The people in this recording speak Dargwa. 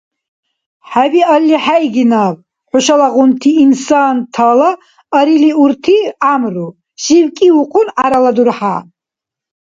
– ХӀебиалли, хӀейги наб хӀушалагъунти, инсантала арилиурти гӀямру, – шивкӀивбухъун гӀярала дурхӀя.